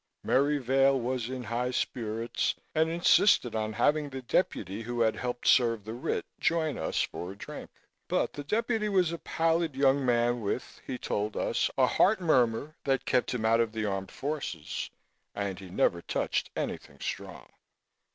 Merry Vail was in high spirits and insisted on having the deputy who had helped serve the writ join us for a drink. But the deputy was a pallid young man with he told us a heart murmur that kept him out of the armed forces and he never touched anything strong.